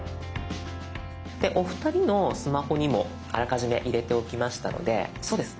でお二人のスマホにもあらかじめ入れておきましたのでそうです